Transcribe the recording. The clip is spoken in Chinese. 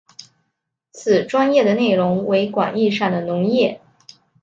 此专页的内容为广义上的农业。